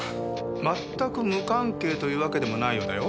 まったく無関係というわけでもないようだよ。